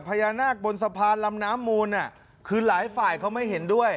พญานาคบนสะพานลำน้ำมูลคือหลายฝ่ายเขาไม่เห็นด้วย